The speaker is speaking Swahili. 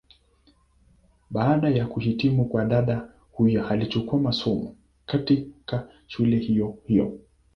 Baada ya kuhitimu kwa dada huyu alichukua masomo, katika shule hiyo hiyo.